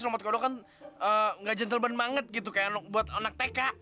rumah tido kan gak gentleman banget gitu kayak buat anak tk